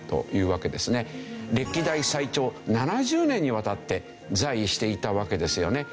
歴代最長７０年にわたって在位していたわけですよね。